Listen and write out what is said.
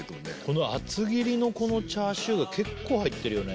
この厚切りのこのチャーシューが結構入ってるよね